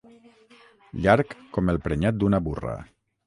Llarg com el prenyat d'una burra.